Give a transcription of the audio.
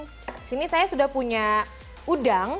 disini saya sudah punya udang